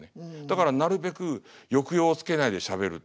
だからなるべく抑揚をつけないでしゃべる。